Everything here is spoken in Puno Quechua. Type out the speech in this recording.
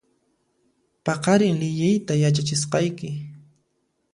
Paqarin liyiyta yachachisqayki